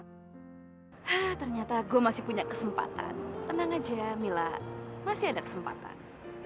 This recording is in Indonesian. hah ternyata gue masih punya kesempatan tenang aja mila masih ada kesempatan